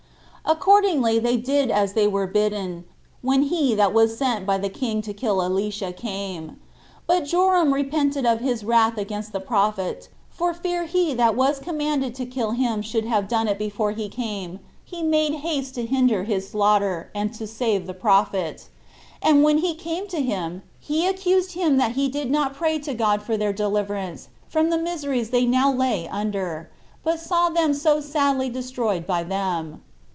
Accordingly, they did as they were bidden, when he that was sent by the king to kill Elisha came. But Joram repented of his wrath against the prophet; and for fear he that was commanded to kill him should have done it before he came, he made haste to hinder his slaughter, and to save the prophet: and when he came to him, he accused him that he did not pray to God for their deliverance from the miseries they now lay under, but saw them so sadly destroyed by them.